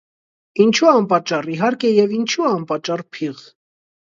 - Ինչո՞ւ անպատճառ իհարկե և ինչո՞ւ անպատճառ փիղ: